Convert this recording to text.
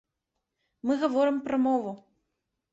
Мы гаворым пра мову.